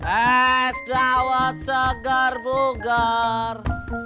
es rawat segar bugar